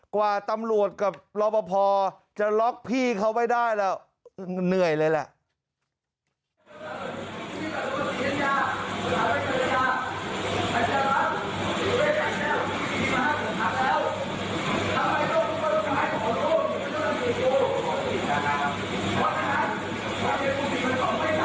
กว่าตำรวจกับรอปภจะล็อกพี่เขาไว้ได้แล้วเหนื่อยเลยแหละ